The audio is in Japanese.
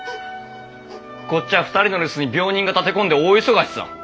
こっちは２人の留守に病人が立て込んで大忙しさ。